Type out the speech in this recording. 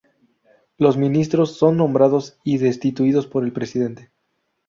Los Ministros son nombrados y destituidos por el Presidente.